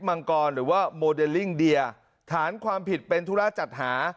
มังกรหรือว่าโมเดลลิ่งเดียฐานความผิดเป็นธุระจัดหา